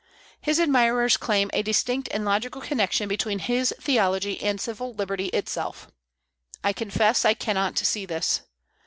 His admirers claim a distinct and logical connection between his theology and civil liberty itself. I confess I cannot see this.